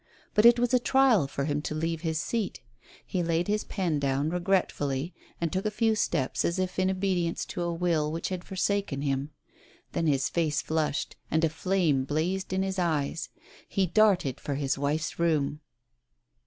But it was a trial for him to leave his seat ; he laid his pen down regret fully, and took a few steps as if in obedience to a will which had forsaken him. Then his face flushed, and a flame blazed in his eyes. He started for his wife's room.